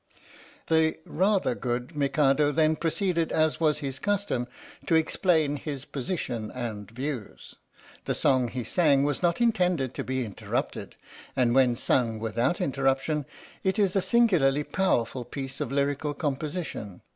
The (rather) good Mikado then proceeded, as was his custom, to explain his position and views. The song he sang was not intended to be interrupted and, when sung without interruption, it is a singularly powerful piece of lyrical composition.